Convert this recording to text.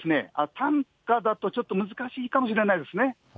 担架だと、ちょっと難しいかもしれないですね。